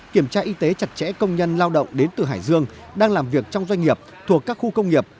kiểm tra y tế chặt chẽ công nhân lao động đến từ hải dương đang làm việc trong doanh nghiệp thuộc các khu công nghiệp